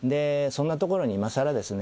そんなところにいまさらですね